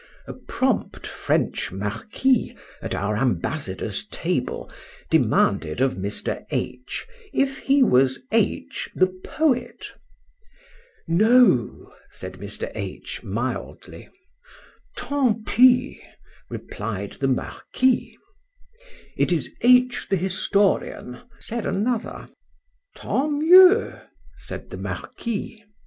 A prompt French marquis at our ambassador's table demanded of Mr. H—, if he was H— the poet? No, said Mr. H—, mildly.—Tant pis, replied the marquis. It is H— the historian, said another,—Tant mieux, said the marquis.